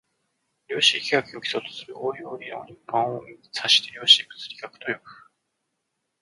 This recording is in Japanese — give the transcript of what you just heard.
量子力学を基礎とする応用理論一般を指して量子物理学と呼ぶ